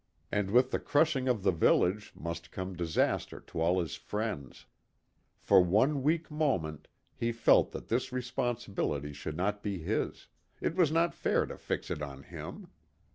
And with the crushing of the village must come disaster to all his friends. For one weak moment he felt that this responsibility should not be his it was not fair to fix it on him.